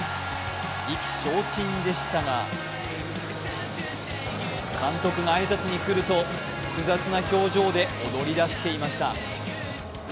意気消沈でしたが、監督が挨拶に来ると複雑な表情で踊り出していました。